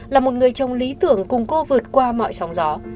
là một người trong lý tưởng cùng cô vượt qua mọi sóng gió